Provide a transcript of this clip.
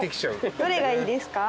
どれがいいですか？